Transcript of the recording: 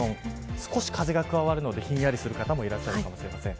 少し風が加わるのでひんやりする方もいらっしゃるかもしれません。